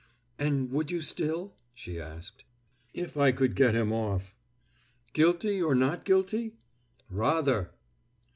"And would you still?" she asked. "If I could get him off." "Guilty or not guilty?" "Rather!"